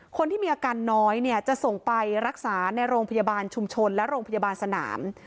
คนที่มีอาการน้อยเนี่ยจะส่งไปรักษาในโรงพยาบาลชุมชนและโรงพยาบาลสนาม